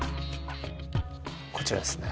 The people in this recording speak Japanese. こちらですね